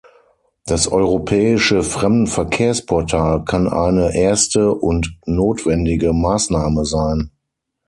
Das europäische Fremdenverkehrsportal kann eine erste – und notwendige – Maßnahme sein.